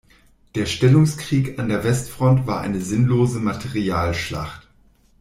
Der Stellungskrieg an der Westfront war eine sinnlose Materialschlacht.